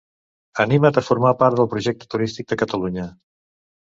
Anima't a formar part del projecte turístic de Catalunya.